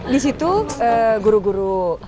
di situ guru guru